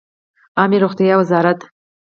عامې روغتیا وزارت